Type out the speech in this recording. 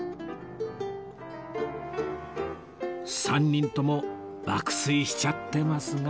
３人とも爆睡しちゃってますが